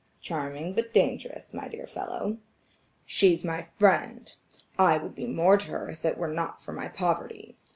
"Charming, but dangerous, my dear fellow." "She's my friend. I would be more to her if it were not for my poverty.